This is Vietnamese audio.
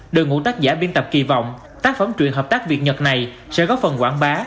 đội ngũ tác giả biên tập kỳ vọng tác phẩm chuyện hợp tác việt nhật này sẽ góp phần quảng bá